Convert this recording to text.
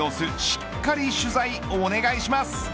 しっかり取材お願いします。